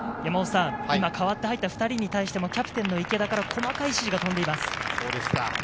代わって入った２人はキャプテン・池田から細かい指示が飛んでいます。